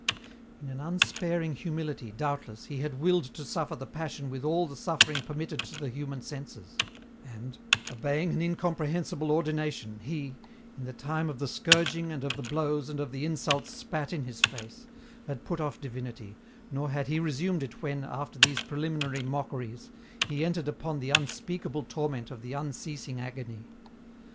In an unsparing humility, doubtless, He had willed to suffer the Passion with all the suffering permitted to the human senses, and, obeying an incomprehensible ordination, He, in the time of the scourging and of the blows and of the insults spat in His face, had put off divinity, nor had He resumed it when, after these preliminary mockeries, He entered upon the unspeakable torment of the unceasing agony.